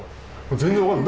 全然、分からない。